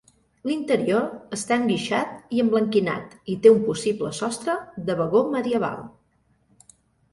L'interior està enguixat i emblanquinat i té un possible sostre de vagó medieval.